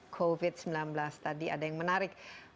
covid sembilan belas tadi ada yang menarik